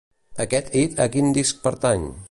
Aquest hit a quin disc pertany?